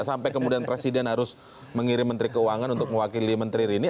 sampai kemudian presiden harus mengirim menteri keuangan untuk mewakili menteri rini